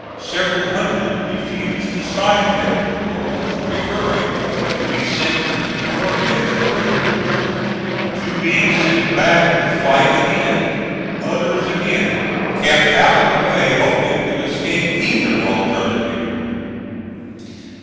Several hundred refused to sign their paroles, preferring to be sent to the North as prisoners to being sent back to fight again. Others again kept out of the way, hoping to escape either alternative.